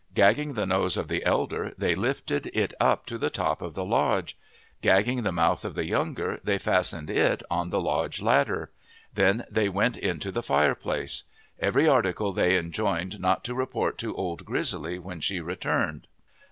Gagging the nose of the elder, they lifted it up to the top of the lodge. Gagging the mouth of the younger, they fastened it on the lodge ladder. Then they went into the fireplace. Every article they enjoined not to report to Old Grizzly when she returned.